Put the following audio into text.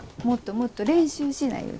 もっともっと練習しな」